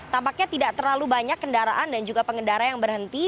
tampaknya tidak terlalu banyak kendaraan dan juga pengendara yang berhenti